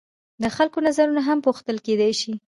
د خلکو نظرونه هم پوښتل کیدای شي.